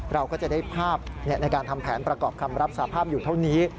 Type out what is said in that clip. เราก็จะได้ภาพในการทำแผนประกอบคำรับสาภาพอยู่เท่านี้